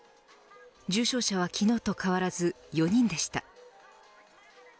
重症者は昨日と変わらず４人でした。